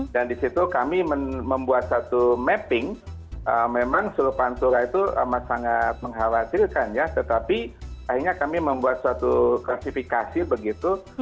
dan di situ kami membuat satu mapping memang seluruh pantura itu sangat mengkhawatirkan ya tetapi akhirnya kami membuat suatu klasifikasi begitu